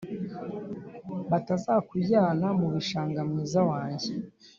Batazakujyana mubishanga mwiza wanjye